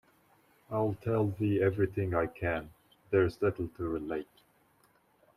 I’ll tell thee everything I can; There’s little to relate.